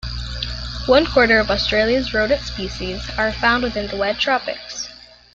One quarter of Australia's rodent species are found within the Wet Tropics.